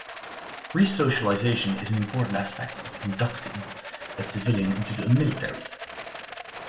Resocialization is an important aspect of inducting a civilian into a military.